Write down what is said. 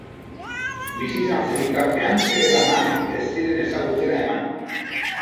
Bizi izan zen bitartean bere lanak ez ziren ezagutzera eman.